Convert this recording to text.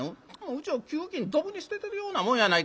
うちの給金どぶに捨ててるようなもんやない。